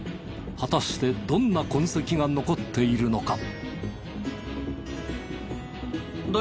果たしてどんな痕跡が残っているのか？